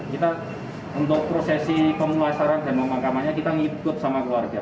kita untuk prosesi pemulasaran dan pemakamannya kita ngikut sama keluarga